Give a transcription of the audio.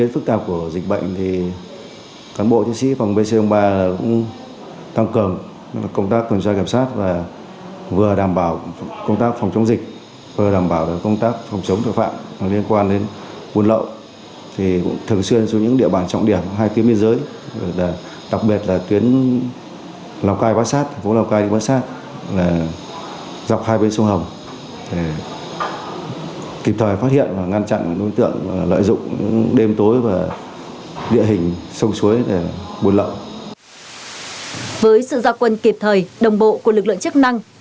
với sự do quân kịp thời đồng bộ của lực lượng chức năng